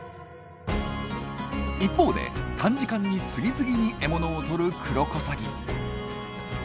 一方で短時間に次々に獲物をとるクロコサギ。